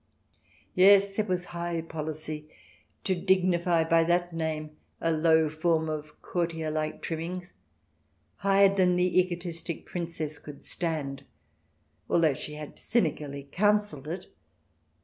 Yes, it was high policy, to dignify by that name a low form of courtier like trimming, higher than the egotistic Princess could stand, although she had cynically counselled it.